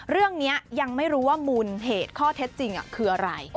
เรื่องนี้ยังไม่รู้ว่ามูลเหตุข้อเท็จจริงคืออะไร